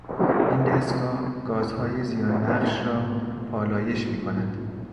این دستگاه گازهای زیان بخش را پالایش میکند.